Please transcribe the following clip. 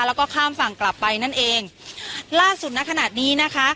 แล้วก็ข้ามฝั่งกลับไปนั่นเองล่าสุดณขณะนี้นะคะ